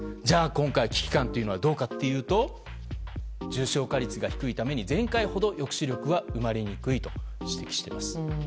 じゃあ、今回の危機感はどうかというと重症化率が低いために前回ほど抑止力は生まれにくいと指摘しています。